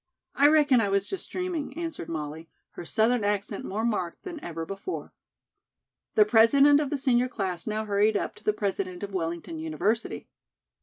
"I reckon I was just dreaming," answered Molly, her Southern accent more marked than ever before. The President of the senior class now hurried up to the President of Wellington University.